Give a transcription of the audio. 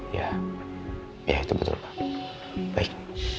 ya ya itu betul pak